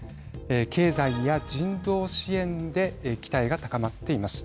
経済や人道支援で期待が高まっています。